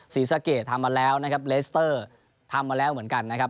ศรีสะเกดทำมาแล้วนะครับเลสเตอร์ทำมาแล้วเหมือนกันนะครับ